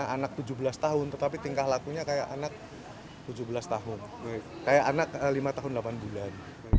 anak tujuh belas tahun tetapi tingkah lakunya kayak anak tujuh belas tahun kayak anak lima tahun delapan bulan